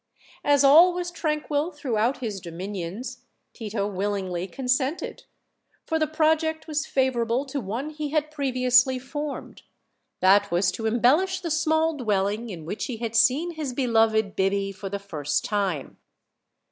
As all was tranquil through out his dominions, Tito willingly consented, for the pro ject was favorable to one he had previously formed that was to embellish the small dwelling in which he had seen his beloved Biby for the first time.